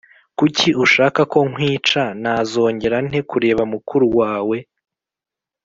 Kuki ushaka ko nkwica Nazongera nte kureba mukuru wawe